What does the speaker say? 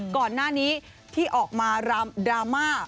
ก่อนหน้านี้ที่ออกมาดราม่า